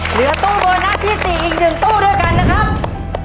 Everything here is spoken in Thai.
เหลือตู้โบนัสที่๔อีก๑ตู้ด้วยกันนะครับ